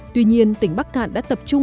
tuy nhiên tỉnh bắc cạn đã tập trung